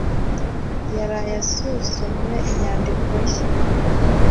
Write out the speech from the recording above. yaraye asuzumye inyandiko ye.